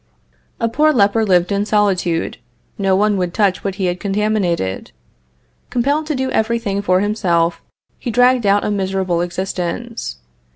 A poor leper lived in solitude. No one would touch what he had contaminated. Compelled to do everything for himself, he dragged out a miserable existence.